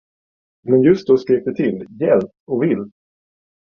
Men just då skrek det till gällt och vilt.